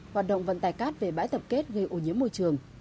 hoạt động vận tài cắt về bãi tập kết gây ô nhiễm môi trường